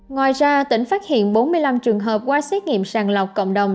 ngoài ra tỉnh phát hiện bốn mươi năm trường hợp qua xét nghiệm sàng lọc cộng đồng